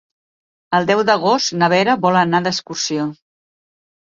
El deu d'agost na Vera vol anar d'excursió.